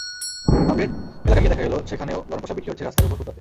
ফার্মগেট এলাকায় গিয়ে দেখা গেল, সেখানেও গরম পোশাক বিক্রি হচ্ছে রাস্তার ওপর ফুটপাতে।